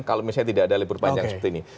kalau misalnya tidak ada libur panjang seperti ini